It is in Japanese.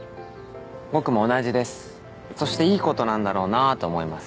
僕も同じですそしていいことなんだろうなと思います